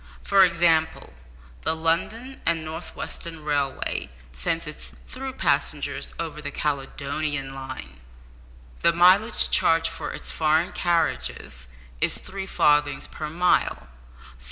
For example, the London and North Western railway sends its through passengers over the Caledonian line. The mileage charged for its "foreign" carriages is three farthings per mile.